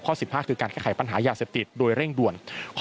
๑๕คือการแก้ไขปัญหายาเสพติดโดยเร่งด่วน